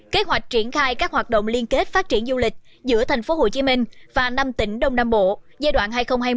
kế hoạch triển khai các hoạt động liên kết phát triển du lịch giữa tp hcm và năm tỉnh đông nam bộ giai đoạn hai nghìn hai mươi một hai nghìn hai mươi năm